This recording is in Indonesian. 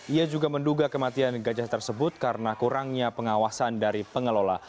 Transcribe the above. ia juga menduga kematian gajah tersebut karena kurangnya pengawasan dari pengelola